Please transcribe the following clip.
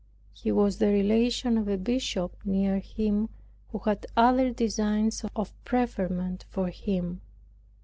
He was the relation of a bishop near him, who had other designs of preferment for him.